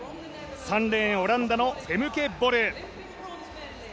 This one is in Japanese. ３レーン、オランダのフェムケ・ボル。